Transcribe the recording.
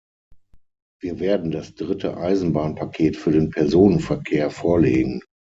Wir werden das dritte Eisenbahnpaket für den Personenverkehr vorlegen.